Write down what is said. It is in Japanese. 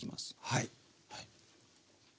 はい。